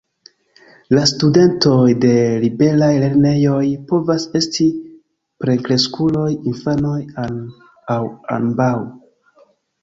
La studentoj de liberaj lernejoj povas esti plenkreskuloj, infanoj aŭ ambaŭ.